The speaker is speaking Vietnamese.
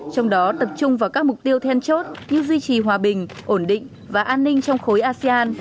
trong đó tập trung vào các mục tiêu then chốt như duy trì hòa bình ổn định và an ninh trong khối asean